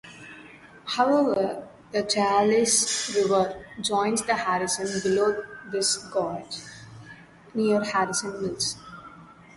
However, the Chehalis River joins the Harrison below this gauge, near Harrison Mills.